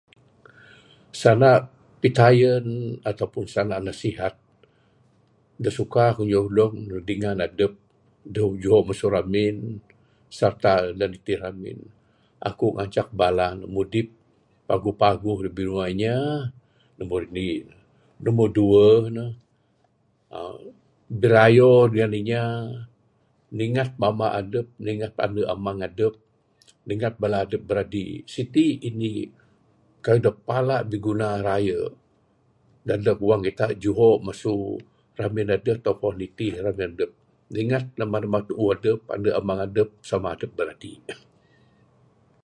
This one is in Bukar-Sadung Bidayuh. Sanda pitayun atau pun sanda nasihat da suka kuk nyulung da dingan adup dog juhok masu ramin serta da nitih ramin. Akuk ngancak bala ne mudip paguh paguh da binua inya, nombor indi ne. Nombor duwuh ne, uhh birayo dengan inya, ningat mambak adup, ningat andu amang adup, ningat bala adup biradik. Siti' indik kayuh da pala biguna rayu dadeg wang kitak juho masu ramin adep atau pun nitih ramin adup. Ningat namba namba tuuh adup, andu amang adup, sama adup biradik.